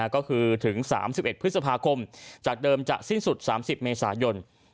ก็คือถึง๓๑พฤษภาคมจากเดิมจะสิ้นสุด๓๐เมษายน